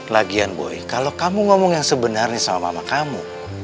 lagian boleh kalau kamu ngomong yang sebenarnya sama mama kamu